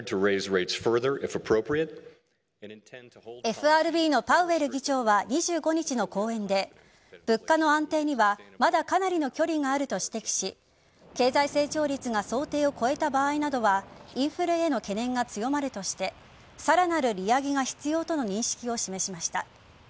ＦＲＢのパウエル議長は２５日の講演で物価の安定にはまだかなりの距離があると指摘し経済成長率が想定を超えた場合などはインフレへの懸念が強まるとしてさらなる利上げが必要との認識を示しました。